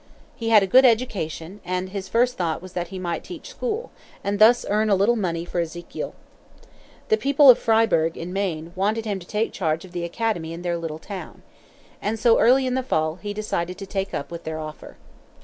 He had a good education, and his first thought was that he might teach school, and thus earn a little money for Ezekiel. The people of Fryeburg, in Maine, wanted him to take charge of the academy in their little town. And so, early in the fall, he decided to take up with their offer.